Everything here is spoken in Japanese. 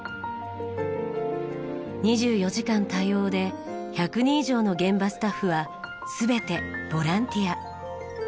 ２４時間対応で１００人以上の現場スタッフは全てボランティア。